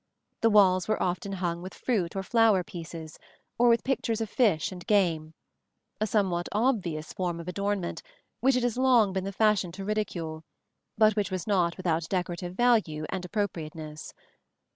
The walls were often hung with fruit or flower pieces, or with pictures of fish and game: a somewhat obvious form of adornment which it has long been the fashion to ridicule, but which was not without decorative value and appropriateness.